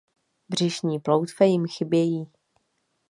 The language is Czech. Břišní ploutve jim chybějí.